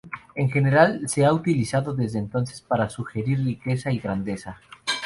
En general se ha utilizado desde entonces para sugerir riqueza y grandeza.